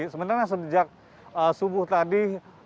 sebenarnya sejak subuh tadi